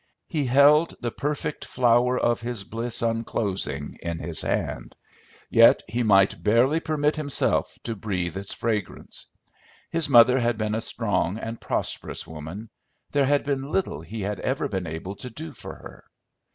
He held the perfect flower of his bliss unclosing in his hand; yet he might barely permit himself to breathe its fragrance. His mother had been a strong and prosperous woman; there had been little he had ever been able to do for her.